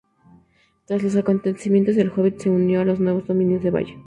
Tras los acontecimientos de "El hobbit", se unió a los nuevos dominios de Valle.